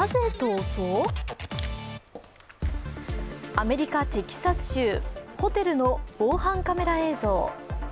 アメリカ・テキサス州、ホテルの防犯カメラ映像。